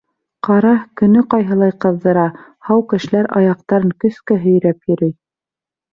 Ҡара, көнө ҡайһылай ҡыҙҙыра, һау кешеләр аяҡтарын көскә һөйрәп йөрөй.